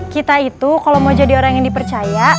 kita itu kalau mau jadi orang yang dipercaya